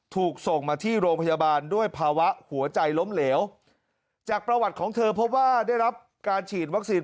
ถูกส่งมาที่โรงพยาบาลด้วยภาวะหัวใจล้มเหลวจากประวัติของเธอพบว่าได้รับการฉีดวัคซีน